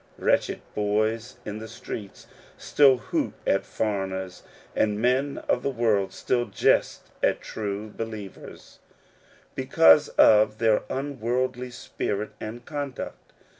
WretchecJ boys in the streets still hoot at foreigners, and men of the world still jest at true believers, because of their unworldly spirit and conduct.